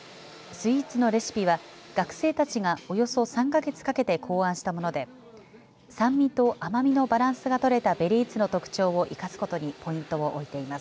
スイーツのレシピは学生たちがおよそ３か月かけて考案したもので酸味と甘みのバランスが取れたベリーツの特徴を生かすことにポイントをおいています。